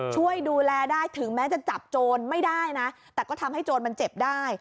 ช่วยดูแลได้ถึงแม้จะจับโจรไม่ได้นะแต่ก็ทำให้โจรมันเจ็บได้